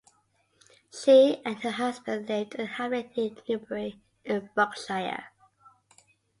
She and her husband lived in a hamlet near Newbury in Berkshire.